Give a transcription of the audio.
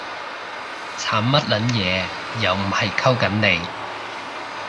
慘乜撚嘢？，又唔係溝緊你